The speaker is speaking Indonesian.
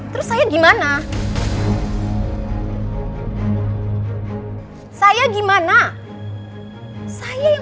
terus saya gimana